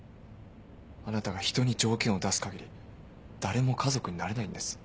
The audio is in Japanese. あなたが人に条件を出すかぎり誰も家族になれないんです。